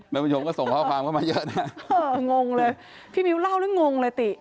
ผู้ชมก็ส่งข้อความเข้ามาเยอะนะเอองงเลยพี่มิ้วเล่าแล้วงงเลยติ